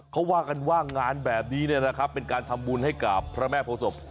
เขาว่ากันว่างานแบบนี้เป็นการทำบุญให้กับพระแม่โพศพ